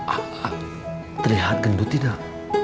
a a terlihat gendut tidak